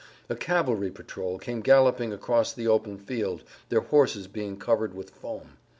A cavalry patrol came galloping across the open field, their horses being covered with foam.